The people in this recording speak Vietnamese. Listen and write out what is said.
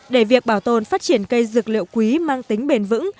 để việc bảo tồn phát triển cây dược liệu quý mang tính bền vững